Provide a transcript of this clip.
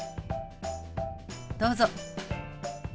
どうぞ。